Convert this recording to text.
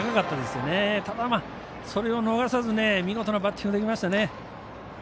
ただそれを逃さず見事なバッティングできましたね。